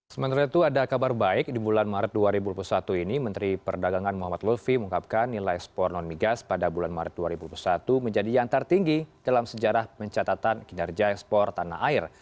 sementara itu ada kabar baik di bulan maret dua ribu dua puluh satu ini menteri perdagangan muhammad lutfi mengungkapkan nilai ekspor non migas pada bulan maret dua ribu dua puluh satu menjadi yang tertinggi dalam sejarah pencatatan kinerja ekspor tanah air